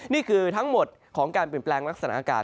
นี่คือทั้งหมดของการเปลี่ยนแปลงลักษณะอากาศ